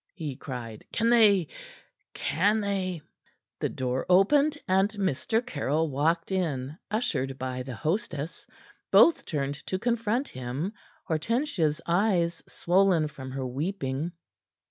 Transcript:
he cried. "Can they can they " The door opened, and Mr. Caryll walked in, ushered by the hostess. Both turned to confront him, Hortensia's eyes swollen from her weeping.